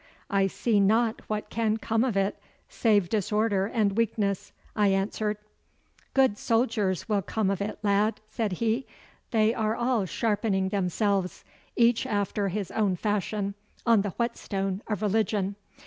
'I see not what can come of it save disorder and weakness,' I answered. 'Good soldiers will come of it, lad,' said he. 'They are all sharpening themselves, each after his own fashion, on the whetstone of religion.